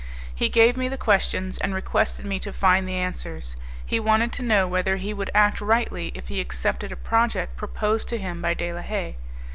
He gave me the questions, and requested me to find the answers. He wanted to know whether he would act rightly if he accepted a project proposed to him by De la Haye.